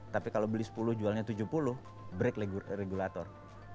tapi kalau beli sepuluh jualnya tujuh puluh break regulator